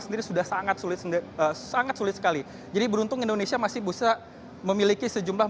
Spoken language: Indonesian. sendiri sudah sangat sulit sangat sulit sekali jadi beruntung indonesia masih bisa memiliki sejumlah